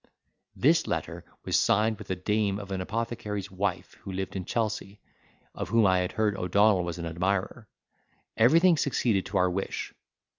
This letter was signed with the name of an apothecary's wife who lived in Chelsea, of whom I had heard O'Donnell was an admirer. Everything succeeded to our wish.